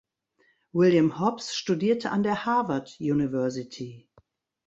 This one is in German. William Hobbs studierte an der Harvard University.